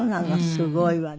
すごいわね。